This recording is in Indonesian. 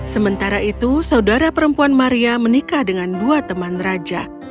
sementara itu saudara perempuan maria menikah dengan dua teman raja